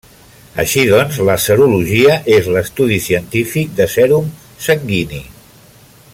Així doncs la Serologia és l'estudi científic de sèrum sanguini.